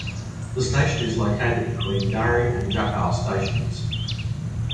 The station is located between Dhuri and Jakhal stations.